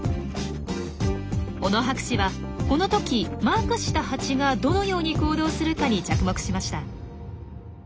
小野博士はこの時マークしたハチがどのように行動するかに着目しました。